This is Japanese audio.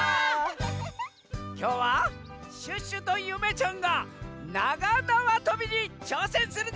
きょうはシュッシュとゆめちゃんがながなわとびにちょうせんするざんす！